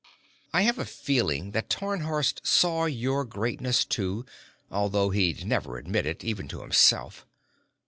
I have a feeling that Tarnhorst saw your greatness, too, although he'd never admit it, even to himself.